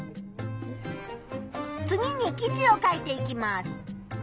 次に記事を書いていきます。